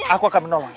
aku akan menolongnya